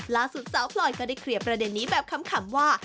สาวพลอยก็ได้เคลียร์ประเด็นนี้แบบขำว่า